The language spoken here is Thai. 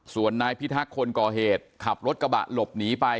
ส่วนนายพิทักษ์คนก่อเหตุขับรถกระบะหลบหนีไป